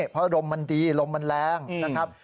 เพราะลมมันดีลมมันแรงนะครับ